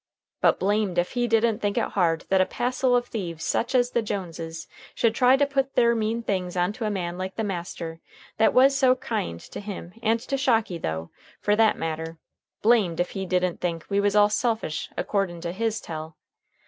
But blamed ef he didn't think it hard that a passel o thieves sech as the Joneses should try to put ther mean things on to a man like the master, that was so kyind to him and to Shocky, tho', fer that matter, blamed ef he didn't think we was all selfish, akordin' to his tell.